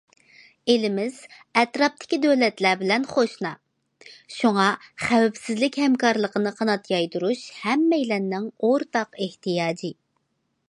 ئېلىمىز ئەتراپتىكى دۆلەتلەر بىلەن قوشنا، شۇڭا خەۋپسىزلىك ھەمكارلىقىنى قانات يايدۇرۇش ھەممەيلەننىڭ ئورتاق ئېھتىياجى.